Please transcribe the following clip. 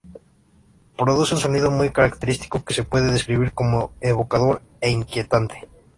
Produce un sonido muy característico que se puede describir como "evocador e inquietante".